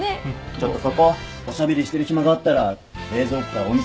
ちょっとそこおしゃべりしてる暇があったら冷蔵庫からお味噌出してください。